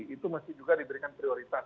itu masih juga diberikan prioritas